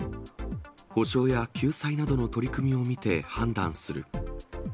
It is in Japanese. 補償や救済などの取り組みを見て判断する。